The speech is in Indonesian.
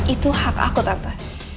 itu hak aku tante